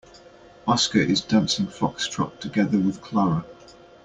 Oscar is dancing foxtrot together with Clara.